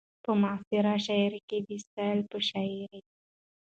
په معاصره شاعرۍ کې د سيال په شاعرۍ